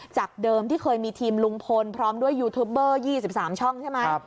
จากเดิมที่เคยมีทีมลุงพลพร้อมด้วยยูทูปเบอร์๒๓ช่องใช่ไหม